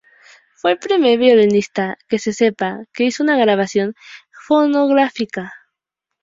Fue el primer violinista, que se sepa, que hizo una grabación fonográfica.